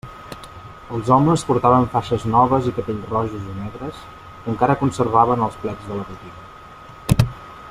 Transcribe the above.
Els homes portaven faixes noves i capells rojos o negres que encara conservaven els plecs de la botiga.